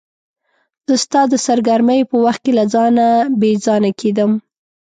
زه ستا د سرګرمیو په وخت کې له ځانه بې ځانه کېدم.